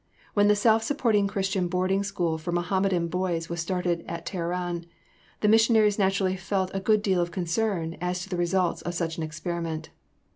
When the self supporting Christian boarding school for Mohammedan boys was started in Teheran, the missionaries naturally felt a good deal of concern as to the results of such an experiment.